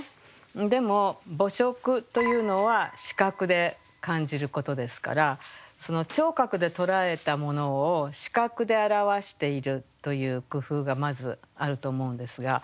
でも「暮色」というのは視覚で感じることですから聴覚でとらえたものを視覚で表しているという工夫がまずあると思うんですが。